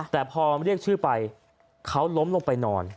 แต่พอเรียกชื่อไปเขาล้มลงไปนอน